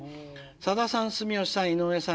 「さださん住吉さん井上さん